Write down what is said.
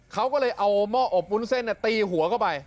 เขาก็เลยเอาหม้ออบวุ้นเส้นตีหัวเข้าไป